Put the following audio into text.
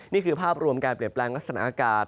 นี่คือภาพรวมการเปลี่ยนแปลงลักษณะอากาศ